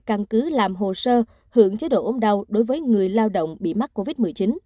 căn cứ làm hồ sơ hưởng chế độ ốm đau đối với người lao động bị mắc covid một mươi chín